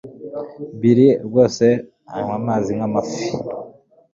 Bill rwose anywa amazi nk'amafi.